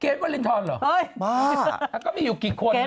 เกรทะวารินทร่องเหรอ